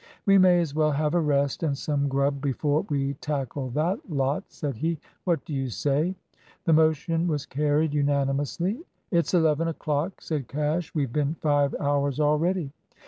"We may as well have a rest and some grub before we tackle that lot," said he. "What do you say?" The motion was carried unanimously. "It's eleven o'clock," said Cash. "We've been five hours already."